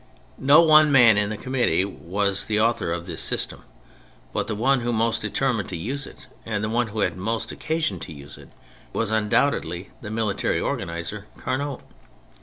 No one man in the Committee was the author of this system, but the one most determined to use it and the one who had most occasion to use it, was undoubtedly the military organiser, Carnot.